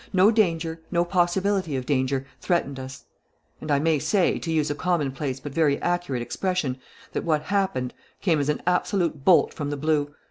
No danger, no possibility of danger, threatened us. And, I may say, to use a commonplace but very accurate expression, that what happened came as an absolute bolt from the blue.